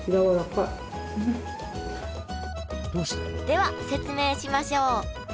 では説明しましょう。